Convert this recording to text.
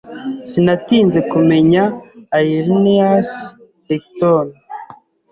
Sinatinze kumenya Aeneas Hectorn